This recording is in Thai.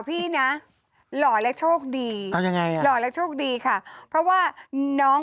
พี่น่ะหล่อและโชครับยังไงโลกแล้วชกดีค่ะเพราะว่าน้อง